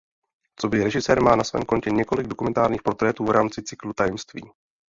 Coby režisér má na svém kontě několik dokumentárních portrétů v rámci cyklu Tajemství.